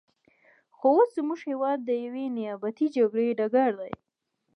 خو اوس زموږ هېواد د یوې نیابتي جګړې ډګر دی.